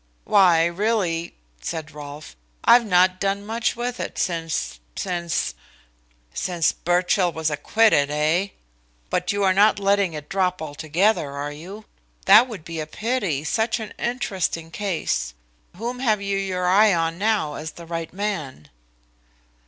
"Why, really," said Rolfe, "I've not done much with it since, since " "Since Birchill was acquitted, eh! But you are not letting it drop altogether, are you? That would be a pity such an interesting case. Whom have you your eye on now as the right man?"